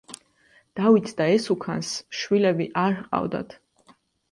დავითს და ესუქანს შვილები არ ჰყავდათ.